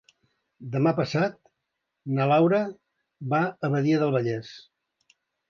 Demà passat na Laura va a Badia del Vallès.